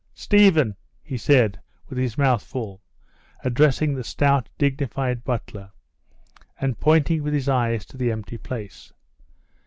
"Stephen!" he said, with his mouth full, addressing the stout, dignified butler, and pointing with his eyes to the empty place.